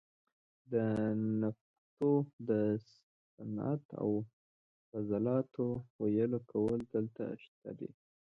د نفتو د صنعت او فلزاتو ویلې کول دلته شته دي.